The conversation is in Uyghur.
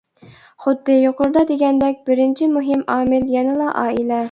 خۇددى يۇقىرىدا دېگەندەك، بىرىنچى مۇھىم ئامىل يەنىلا ئائىلە.